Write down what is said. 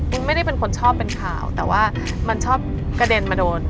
ไม่ได้เป็นคนชอบเป็นข่าวแต่ว่ามันชอบกระเด็นมาโดน